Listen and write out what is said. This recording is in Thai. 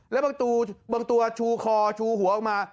แล้วบางตัวชูคอชูหัวออกมา